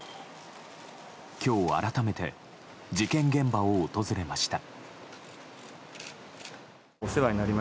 今日改めて事件現場を訪れました。